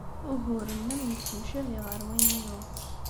Ugur-nnem yettemcabi ɣer win-inu.